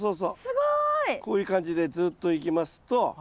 すごい！こういう感じでずっといきますと。